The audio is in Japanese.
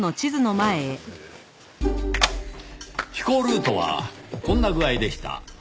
飛行ルートはこんな具合でした。